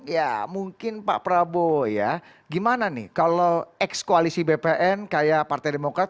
ya mungkin pak prabowo ya gimana nih kalau ex koalisi bpn kayak partai demokrat